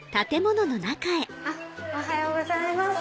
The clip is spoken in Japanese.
おはようございます。